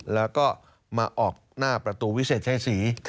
แล้วก็มาออกหน้าประตูวิเศษชายศรี